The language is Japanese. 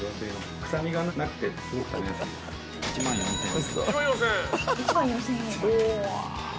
１万４，０００円？